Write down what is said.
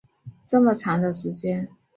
这么长的时间